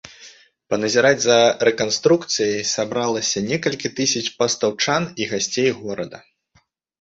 Паназіраць за рэканструкцыяй сабралася некалькі тысяч пастаўчан і гасцей горада.